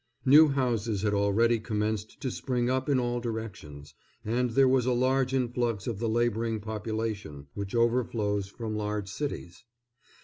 New houses had already commenced to spring up in all directions, and there was a large influx of the laboring population which overflows from large cities.